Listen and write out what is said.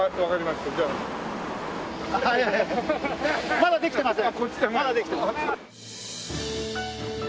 まだできてません。